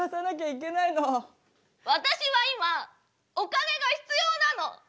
私は今お金が必要なの。